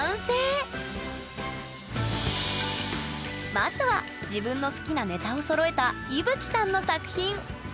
まずは自分の好きなネタをそろえたいぶきさんの作品！